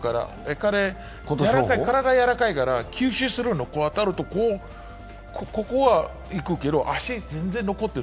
彼、体柔らかいから吸収するの、当たると、胸はいくけど、足、全然残ってる。